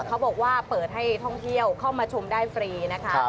เขาบอกว่าเปิดให้ท่องเที่ยวเข้ามาชมได้ฟรีนะคะ